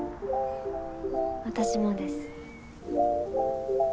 私もです。